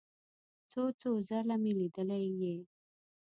څو څو ځله مې لیدلی یې.